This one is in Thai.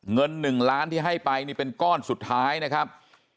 เงิน๑ล้านที่ให้ไปนี่เป็นก้อนสุดท้ายนะครับ